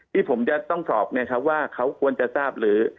ที่ผมจะต้องสอบเนี่ยครับว่าเขาควรจะทราบหรือ